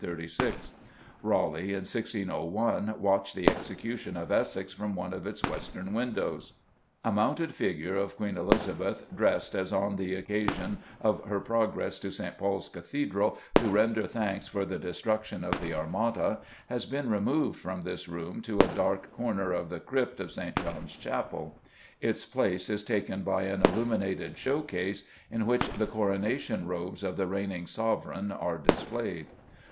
Raleigh, in 1601, watched the execution of Essex from one of its western windows. A mounted figure of Queen Elizabeth, dressed as on the occasion of her progress to St. Paul's Cathedral to render thanks for the destruction of the Armada, has been removed from this room to a dark corner of the crypt of St. John's Chapel; its place is taken by an illuminated show case in which the Coronation robes of the reigning sovereign are displayed.